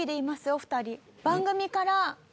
お二人。